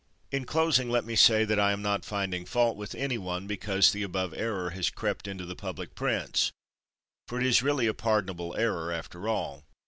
In closing, let me say that I am not finding fault with any one because the above error has crept into the public prints, for it is really a pardonable error, after all.